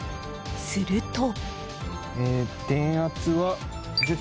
すると。